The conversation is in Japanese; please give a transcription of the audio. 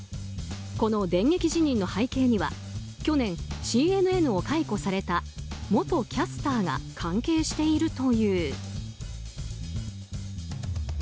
この電撃辞任の背景には去年、ＣＮＮを解雇された元キャスターが関係しているという。